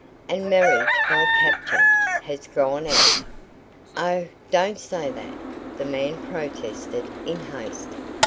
And marriage by capture has gone out." "Oh, don't say that!" the man protested, in haste.